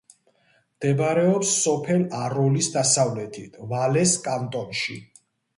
მდებარეობს სოფელ აროლის დასავლეთით, ვალეს კანტონში.